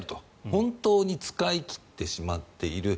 本当に使い切ってしまっている。